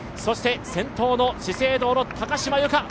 そして先頭の資生堂の高島由香